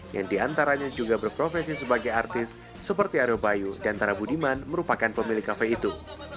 yang diantaranya juga berprofesi sebagai artis seperti are bayu dan tara budiman merupakan pemilik kafe itu